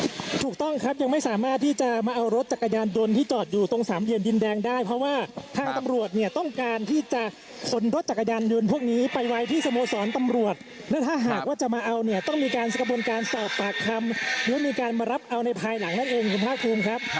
ใช่โอ้โหนี่ถูกต้องครับยังไม่สามารถที่จะมาเอารถจักรดนที่จอดอยู่ตรงสามอเดียนดินแดงได้เพราะว่าทางตำรวจต้องการที่จะคนรถจักรดนพวกนี้ไปไว้ที่สะโมศรตำรวจและถ้าหากจะมาเอาเนี่ยต้องมีการสังปันตะกรรมยกต้องการมารับเอาในภายหลังนั้นเองคุณภาคภูมิครับ